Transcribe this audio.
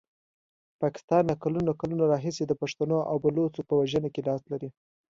پاکستان له کلونو کلونو راهیسي د پښتنو او بلوڅو په وژنه کې لاس لري.